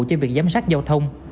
cho việc giám sát giao thông